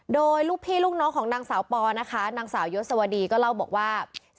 โดยลูกพี่ลูกน้องของนางสาวปอนะคะนางสาวยศวดีก็เล่าบอกว่า